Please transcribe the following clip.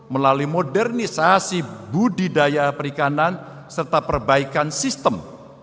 melalui modernisasi budidaya perikanan serta perbaikan sistem